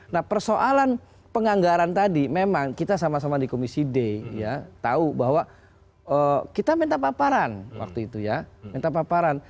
nah persoalan penganggaran tadi memang kita sama sama di komisi d ya tahu bahwa kita minta paparan waktu itu ya minta paparan